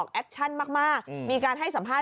คุณผู้ชมฟังช่างปอลเล่าคุณผู้ชมฟังช่างปอลเล่า